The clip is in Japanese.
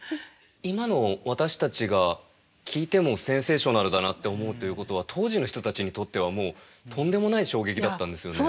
今の私たちが聞いてもセンセーショナルだなって思うということは当時の人たちにとってはもうとんでもない衝撃だったんですよね。